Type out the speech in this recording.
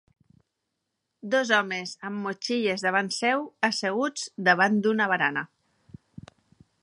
Dos homes amb motxilles davant seu asseguts davant d'una barana.